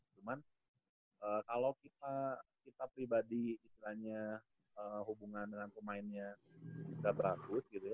cuman kalau kita pribadi istilahnya hubungan dengan pemainnya beratus gitu ya